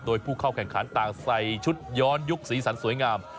โดยผู้เข้าแข่งขันต่างใส่ชุดย้อนยุคสีสันสวยงาม